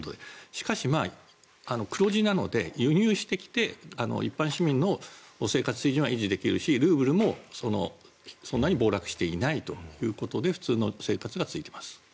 しかし、黒字なので輸入してきて一般市民の生活水準は維持できるしルーブルもそんなに暴落していないということで普通の生活が続いています。